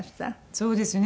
そうですね。